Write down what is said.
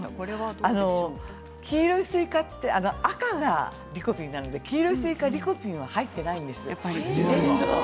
黄色いスイカは赤がリコピンなので黄色いスイカにはリコピンは入っていないんです。